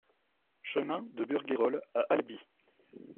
Chemin de Burgayrols à Albi